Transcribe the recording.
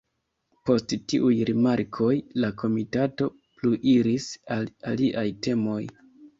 Post tiuj rimarkoj, la komitato pluiris al aliaj temoj.